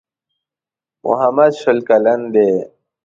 محمد شل کلن دی.